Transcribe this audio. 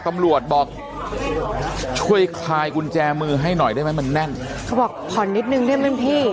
ตำรวจบอกช่วยคลายกุญแจมือให้หน่อยได้ไหมมันแน่นเขาบอกผ่อนนิดนึงได้ไหมพี่